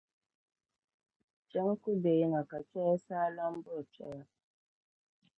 Kpɛm’ ku be yiŋa ka kpɛya saa lan buri kpɛya.